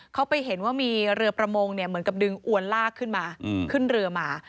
เขาไปเห็นว่ามีเรือประมงเหมือนกับดึงอวนลากขึ้นมาขึ้นเรือมา